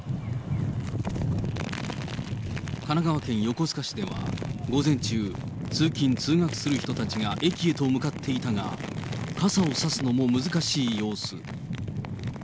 神奈川県横須賀市では、午前中、通勤・通学する人たちが駅へと向かっていたが、傘を差すのも難しい様子。